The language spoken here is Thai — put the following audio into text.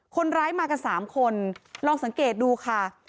คนร้ายมากัน๓คนลองสังเกตดูค่ะ